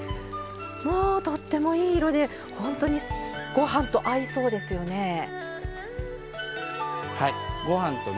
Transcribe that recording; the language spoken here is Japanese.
とってもいい色で本当にご飯と合いそうですよね。